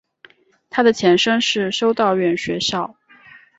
它的前身是修道院学校。